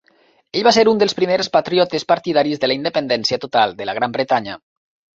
Ell va ser un dels primers Patriotes partidaris de la independència total de la Gran Bretanya.